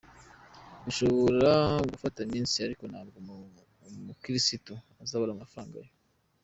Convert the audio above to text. Bishobora gufata iminsi ariko ntabwo umukirisitu azabura amafaranga ye.